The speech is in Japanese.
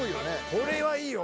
「これはいいよ」